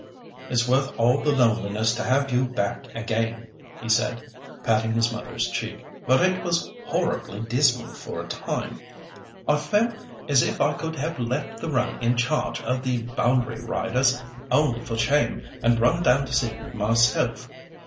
"It's worth all the loneliness to have you back again," he said, patting his mother's cheek; "but it was horribly dismal for a time. I felt as if I could have left the run in charge of the boundary riders, only for shame, and run down to Sydney myself.